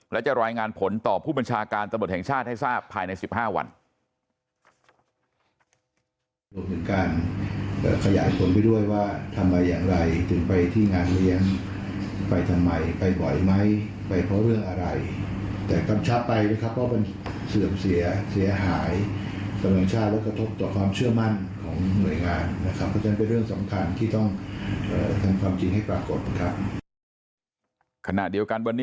และจะรายงานผลต่อผู้บัญชาการตำรวจแห่งชาติให้ทราบภายใน๑๕วัน